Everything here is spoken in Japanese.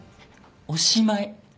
おしまい。